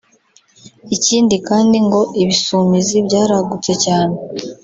Ikindi kandi ngo Ibisumizi byaragutse cyane